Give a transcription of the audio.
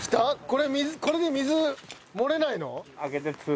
これこれで水漏れないの？